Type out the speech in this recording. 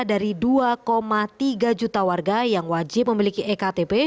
dari dua tiga juta warga yang wajib memiliki ektp